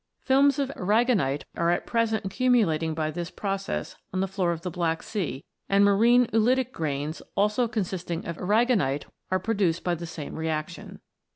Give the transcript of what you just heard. Films of aragonite are at present accumulating by this process on the floor of the Black Sea, and marine oolitic grains, also consisting of aragonite, are produced by the same reaction.